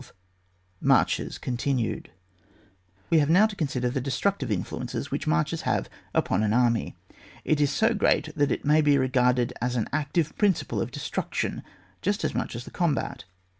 MARCHES (Contixited). Ws have now to consider the destructive influence which marches have upon an army. It is so great that it may be re garded as an active principle of destruc tion, just as much as the combat.